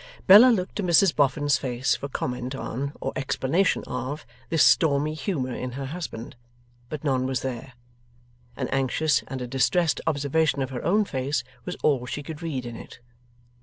Bella looked to Mrs Boffin's face for comment on, or explanation of, this stormy humour in her husband, but none was there. An anxious and a distressed observation of her own face was all she could read in it.